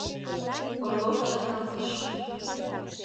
— Орлов чакналтыш.